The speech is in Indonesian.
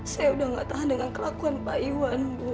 saya udah gak tahan dengan kelakuan pak iwan bu